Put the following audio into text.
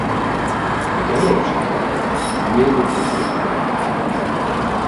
Дэнэ ущыхэтыр, дунейм утетыжкъыми.